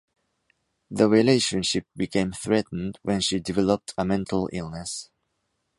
The relationship became threatened when she developed a mental illness.